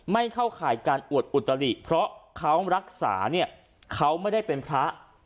ไม่เข้าข่ายการอวดอุตลิเพราะเขารักษาเนี่ยเขาไม่ได้เป็นพระ